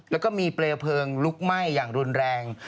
แล้วก็มีเปลวเพลิงลุกไหม้อย่างรุนแรง